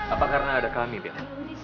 apa karena ada kami biar